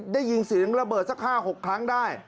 ได้ยินเสียงระเบิดสัก๕๖ครั้งได้